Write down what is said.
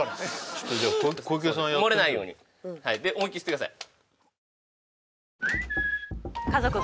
ちょっとじゃあ小池さんやって漏れないようにはいで思いっきり吸ってください